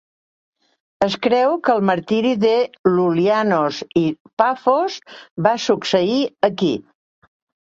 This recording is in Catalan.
Es creu que el martiri de Lulianos i Paphos va succeir aquí.